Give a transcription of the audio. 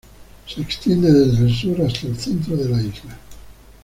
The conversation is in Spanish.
Se extiende desde el sur hasta el centro de la isla.